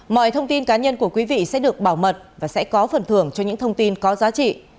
mọi thông tin cá nhân của quý vị sẽ được bảo mật và sẽ có phần thưởng cho những thông tin có giá trị